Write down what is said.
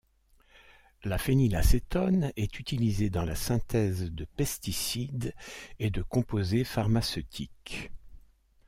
La phénylacétone est utilisée dans la synthèse de pesticides et de composés pharmaceutiques.